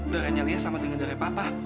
dere nya liat sama dengan dere papa